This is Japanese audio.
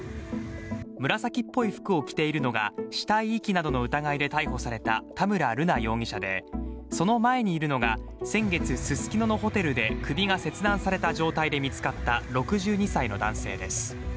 紫っぽい服を着ているのが死体遺棄などの疑いで逮捕された田村瑠奈容疑者で、その前にいるのが先月、ススキノのホテルで首が切断された状態で見つかった６２歳の男性です。